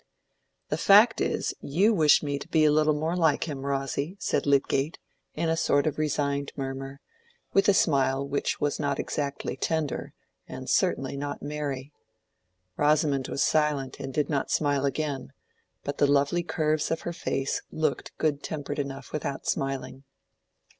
"The fact is, you would wish me to be a little more like him, Rosy," said Lydgate, in a sort of resigned murmur, with a smile which was not exactly tender, and certainly not merry. Rosamond was silent and did not smile again; but the lovely curves of her face looked good tempered enough without smiling.